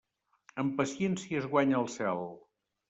Amb paciència es guanya el cel.